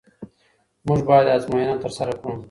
موږ باید آزموینه ترسره کړو.